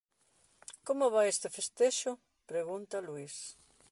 Como vai este festexo? –pregunta Luís.